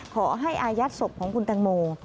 ขอให้อายัดศพของคุณตังโม